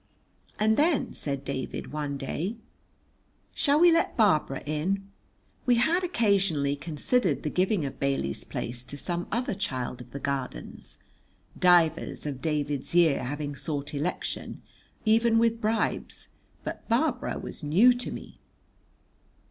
And then said David one day, "Shall we let Barbara in?" We had occasionally considered the giving of Bailey's place to some other child of the Gardens, divers of David's year having sought election, even with bribes; but Barbara was new to me.